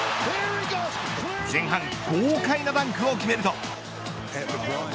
前半豪快なダンクを決めると。